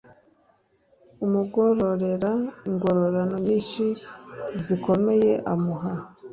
amugororera ingororano nyinshi zikomeye amuha